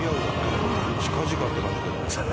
近々って感じだよね。